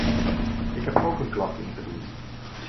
Ik heb ook een klacht ingediend.